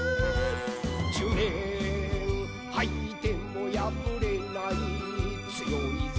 「じゅうねんはいてもやぶれないつよいぞ」